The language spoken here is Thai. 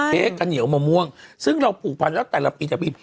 ข้าวเหนียวมะม่วงซึ่งเราผูกพันแล้วแต่ละปีแต่ละปี